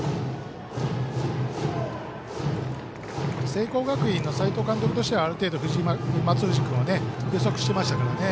聖光学院の斎藤監督としてはある程度、松藤君を予測してましたからね。